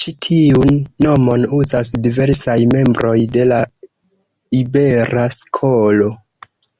Ĉi tiun nomon uzas diversaj membroj de la Ibera Skolo.